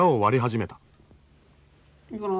いいかな？